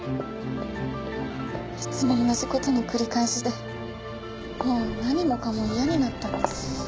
いつも同じ事の繰り返しでもう何もかも嫌になったんです。